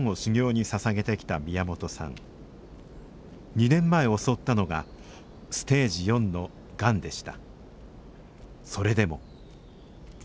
２年前襲ったのがステージ４のがんでした。